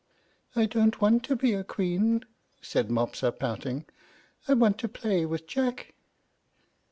"I don't want to be a queen," said Mopsa, pouting; "I want to play with Jack."